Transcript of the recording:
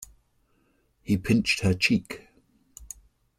He pinched her cheek.